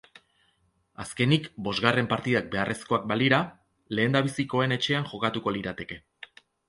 Azkenik, bosgarren partidak beharrezkoak balira, lehendabizikoen etxean jokatuko lirateke.